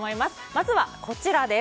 まずは、こちら。